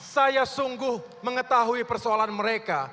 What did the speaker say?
saya sungguh mengetahui persoalan mereka